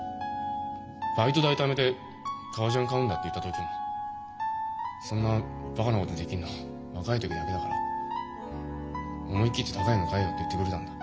「バイト代ためて革ジャン買うんだ」って言った時も「そんなバカなことできんの若い時だけだから思い切って高いの買えよ」って言ってくれたんだ。